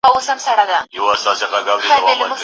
ځوانان هم پرې اخته کېږي.